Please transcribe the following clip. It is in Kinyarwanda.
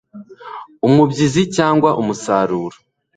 umubyizi cyangwa umusaruro